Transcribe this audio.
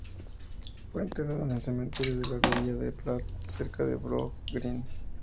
Fue enterrado en el cementerio de la villa de Platt, cerca de Borough Green.